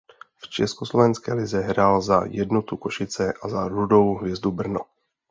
V československé lize hrál za Jednotu Košice a za Rudou hvězdu Brno.